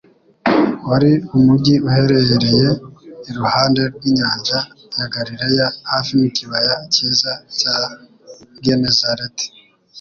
Wari umugi uherereye iruhande rw'inyanja ya Galileya hafi n'ikibaya cyiza cya Genezareti.